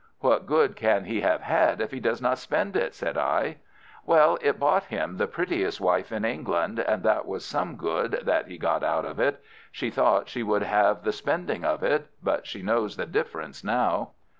"What good can he have had if he does not spend it?" said I. "Well, it bought him the prettiest wife in England, and that was some good that he got out of it. She thought she would have the spending of it, but she knows the difference now."